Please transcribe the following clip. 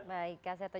baik ya seto